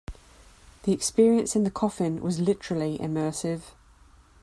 The experience in the coffin was literally immersive.